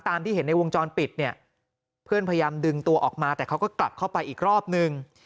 ที่เห็นในวงจรปิดเนี่ยเพื่อนพยายามดึงตัวออกมาแต่เขาก็กลับเข้าไปอีกรอบนึง